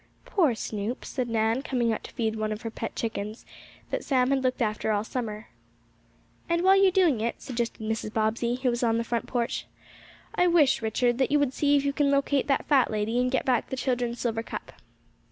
"Poor Snoop!" said Nan, coming out to feed some of her pet chickens, that Sam had looked after all summer. "And while you are about it," suggested Mrs. Bobbsey, who was on the front porch, "I wish, Richard, that you would see if you can locate that fat lady, and get back the children's silver cup."